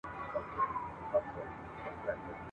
چي اوسیږي به پر کور د انسانانو !.